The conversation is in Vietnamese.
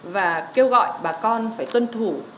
và kêu gọi bà con phải tuân thủ